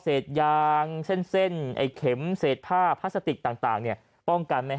เศษยางเส้นไอ้เข็มเศษผ้าพลาสติกต่างป้องกันไหม